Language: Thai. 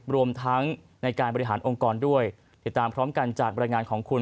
รวมทั้งในการบริหารองค์กรด้วยติดตามพร้อมกันจากบรรยายงานของคุณ